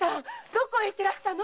どこへ行ってらしたの？